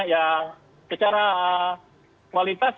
yang secara kualitas